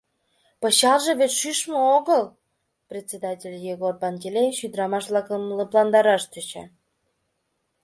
Пычалже вет шӱшмӧ огыл! — председатель Егор Пантелеич ӱдырамаш-влакым лыпландараш тӧча.